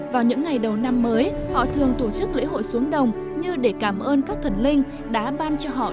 vào những ngày đầu năm mới họ thường tổ chức lễ hội xuống đồng như để cảm ơn các thần linh đã ban cho họ